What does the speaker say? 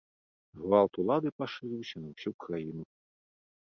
Гвалт улады пашырыўся на ўсю краіну.